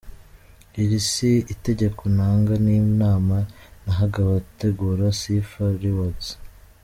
Iri si itegeko ntanga ni inama nahaga abategura Sifa Rewards.